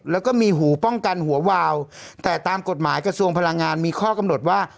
แล้วก็มีหูป้องกันหัววาวแต่ตามกฎหมายกระทรวงพลังงานมีข้อกำหนดว่า